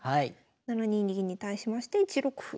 ７二銀に対しまして１六歩。